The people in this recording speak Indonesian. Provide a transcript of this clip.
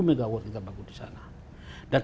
megawatt kita bangun disana dan